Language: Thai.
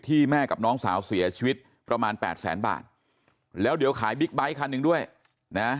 แม่กับน้องสาวเสียชีวิตประมาณแปดแสนบาทแล้วเดี๋ยวขายบิ๊กไบท์คันหนึ่งด้วยนะ